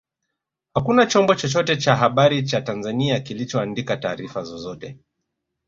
Hakuna chombo chochote cha habari cha Tanzania kilichoandika taarifa zozote